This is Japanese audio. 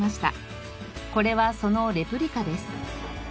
これはそのレプリカです。